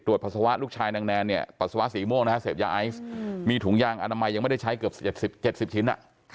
ตรวจผสวะลูกชายนางแนนผสวะสีม่วงเสพยาไอซ์มีถุงย่างอนามัยยังไม่ได้ใช้เกือบ๗๐ชิ้น